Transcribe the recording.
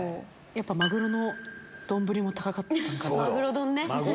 やっぱマグロの丼も高かったのかな。